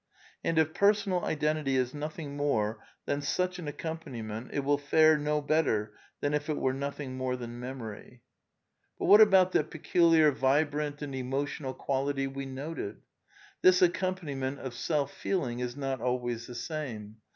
And if Personal Identity is nothing more than such an accompaniment it will fare no better than if it were nothing more than memory. SOME QUESTIONS OF PSYCHOLOGY 69 But what about that peculiar vibrant and emotional quality we noted ? This accompaniment of self feeling is not always the same.